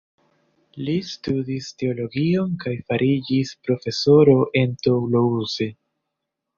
Li studis teologion kaj fariĝis profesoro en Toulouse.